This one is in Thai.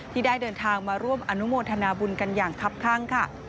ที่ได้เดินทางมาร่วมอนุโมทนาบุญกันอย่างคับข้างค่ะ